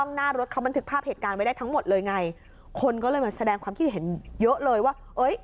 หน้ารถเขาบันทึกภาพเหตุการณ์ไว้ได้ทั้งหมดเลยไงคนก็เลยมาแสดงความคิดเห็นเยอะเลยว่าเอ้ย